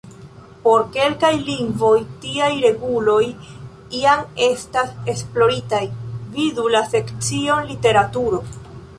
Por kelkaj lingvoj tiaj reguloj jam estas esploritaj, vidu la sekcion "literaturo".